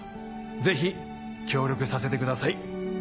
ぜひ協力させてください。